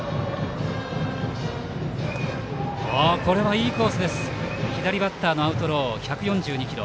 いいコース、左バッターのアウトローに１４２キロ。